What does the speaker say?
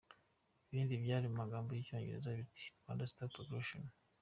Ibindi byari mu magambo y’icyongereza biti: "Rwanda Stop Agression".